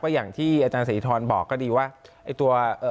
ก็อย่างที่อาจารย์สถิทรบอกก็ดีว่า